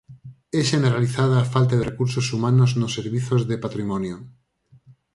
É xeneralizada a falta de recursos humanos nos servizos de patrimonio.